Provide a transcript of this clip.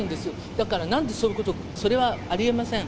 だから、なんでそういうこと、それはありえません。